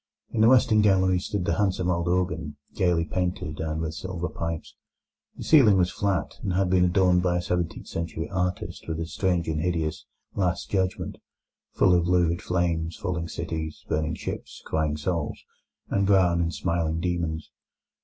In the western gallery stood the handsome old organ, gaily painted, and with silver pipes. The ceiling was flat, and had been adorned by a seventeenth century artist with a strange and hideous "Last Judgement", full of lurid flames, falling cities, burning ships, crying souls, and brown and smiling demons.